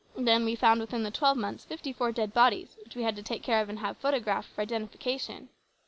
Then, we found within the twelve months 54 dead bodies which we had to take care of and have photographed for identification.